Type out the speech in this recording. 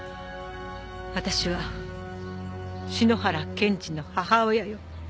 わたしは篠原健治の母親よ。